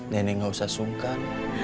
nenek gak usah sungkan